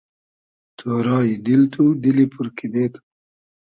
تۉرای دیل تو ، دیلی پور کیدې تو